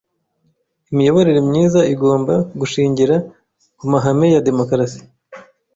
Imiyoborere myiza igomba gushingira ku mahame ya demukarasi